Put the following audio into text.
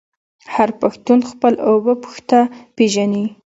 هر پښتون خپل اوه پيښته پیژني.